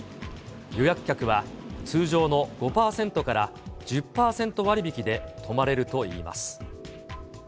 予約客は通常の５％から１０％割引で泊まれるといいます。